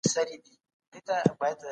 د خپل ورور متاع په رښتيا سره واخلئ.